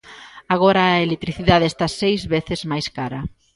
Agora a electricidade está seis veces máis cara.